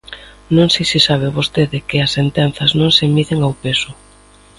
Non sei se sabe vostede que as sentenzas non se miden ao peso.